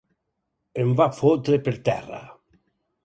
Em va fotre per terra.